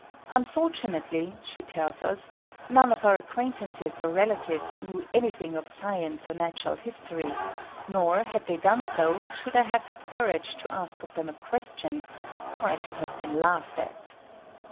"Unfortunately," she tells us, "none of our acquaintances or relatives knew anything of science or natural history; nor, had they done so, should I have had courage to ask of them a question, for I should have been laughed at."